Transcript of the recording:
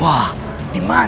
biar saya bertanya